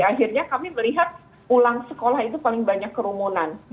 akhirnya kami melihat pulang sekolah itu paling banyak kerumunan